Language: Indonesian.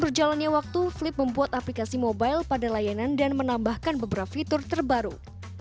berjalannya waktu flip membuat aplikasi mobile pada layanan dan menambahkan beberapa fitur terbaru